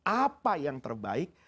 apa yang terbaik